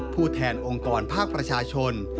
ผู้แทนองค์กรภาคประชาชน